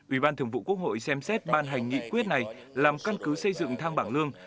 ubnd xem xét ban hành nghị quyết này làm căn cứ xây dựng thang bảng lương